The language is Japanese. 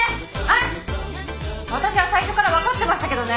私は最初からわかってましたけどね。